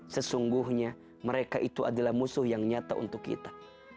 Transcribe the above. sesungguhnya mereka itu adalah musuh yang nyata untuk kita